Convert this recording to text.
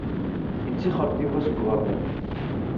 Yettaxer-d Yuba seg uɣerbaz.